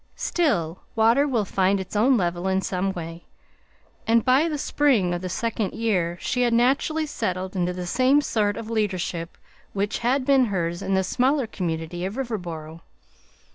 Still, water will find its own level in some way, and by the spring of the second year she had naturally settled into the same sort of leadership which had been hers in the smaller community of Riverboro.